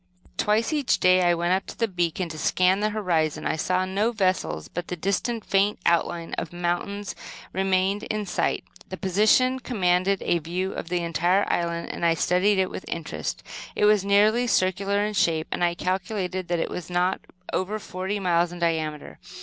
Twice, each day, I went up to the beacon to scan the horizon. I saw no vessels, but the distant, faint outline of mountains remained in sight. This position commanded a view of the entire island, and I studied it with interest. It was nearly circular in shape, and I calculated that it was not over forty miles in diameter.